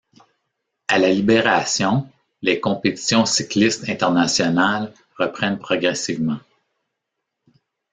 À la Libération, les compétitions cyclistes internationales reprennent progressivement.